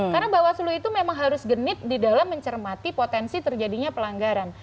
karena bawaslu itu memang harus genit di dalam mencermati potensi terjadinya pelanggaran